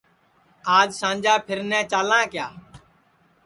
آج سانجا پیرنے چالاں کیا